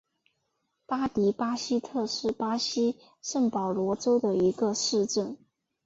巴迪巴西特是巴西圣保罗州的一个市镇。